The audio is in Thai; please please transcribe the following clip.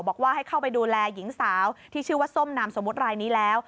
บอกว่าให้เข้าไปดูแลหญิงสาวที่ชื่อว่าส้มนามสมมุติรายนี้แล้ว